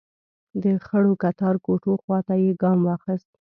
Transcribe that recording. د خړو کتار کوټو خواته يې ګام واخيست.